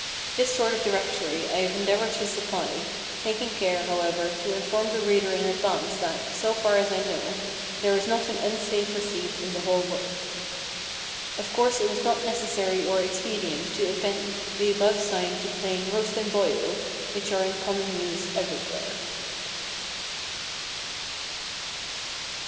This sort of directory I have endeavored to supply, taking care, however, to inform the reader in advance that, so far as I know, there is not an unsafe receipt in the whole work. Of course it was not necessary or expedient to append the above sign to plain "roast and boiled," which are in common use everywhere.